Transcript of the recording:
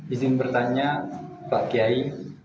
izin bertanya pak kyai